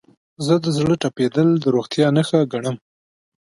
زه د زړه تپیدل د روغتیا نښه ګڼم.